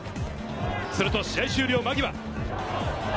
すると試合終了間際。